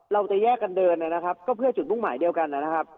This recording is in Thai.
เราจะแยกกันเดินนะครับก็เพื่อจุดมุ่งหมายเดียวกันนะครับ